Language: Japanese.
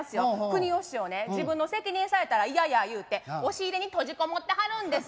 くにお師匠ね自分の責任にされたら嫌や言うて押し入れに閉じ籠もってはるんです。